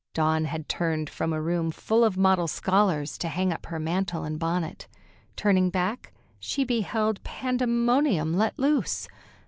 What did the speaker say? Dawn had turned from a room full of model scholars, to hang up her mantle and bonnet. Turning back, she beheld pandemonium let loose.